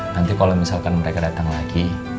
nanti kalau misalkan mereka datang lagi